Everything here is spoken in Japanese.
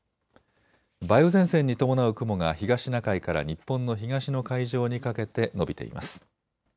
梅雨前線に伴う雲が東シナ海から日本の東の海上にかけて延びています。